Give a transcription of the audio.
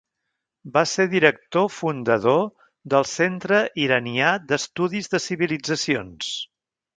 Va ser director fundador del Centre Iranià d'Estudis de Civilitzacions.